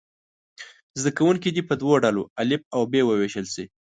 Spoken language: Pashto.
زده کوونکي دې په دوه ډلو الف او ب وویشل شي.